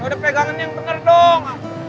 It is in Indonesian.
udah pegangan yang benar dong